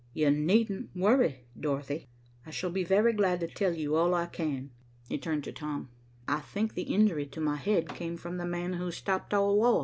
"You needn't worry, Dorothy. I shall be very glad to tell you all I can." He turned to Tom. "I think the injury to my head came from the man who stopped all war."